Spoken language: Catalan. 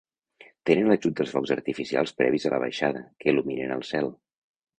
Tenen l’ajut dels focs artificials previs a la baixada, que il·luminen el cel.